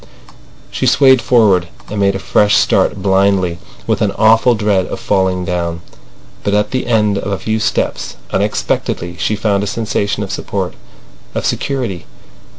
She swayed forward, and made a fresh start blindly, with an awful dread of falling down; but at the end of a few steps, unexpectedly, she found a sensation of support, of security.